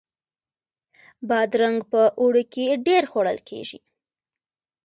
بادرنګ په اوړي کې ډیر خوړل کیږي